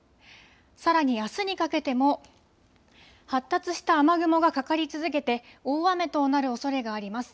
さらにあすにかけても発達した雨雲がかかり続けて大雨となるおそれがあります。